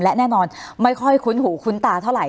และแน่นอนไม่ค่อยคุ้นหูคุ้นตาเท่าไห